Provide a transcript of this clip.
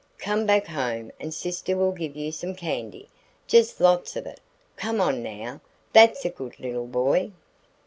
Come back home and sister will give you some candy, just lots of it. Come on, now, that's a good little boy."